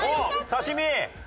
「刺身」。